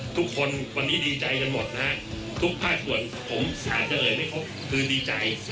ทุกคนวันนี้ดีใจกันหมดนะฮะทุกภาคส่วนผมอาจจะเลยไม่ครบคือดีใจ